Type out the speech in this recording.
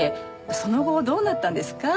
その後どうなったんですか？